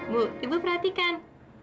bu ibu perhatikan